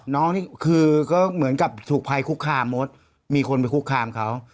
นี่คือก็เหมือนกับถูกภัยคุกคามมดมีคนไปคุกคามเขา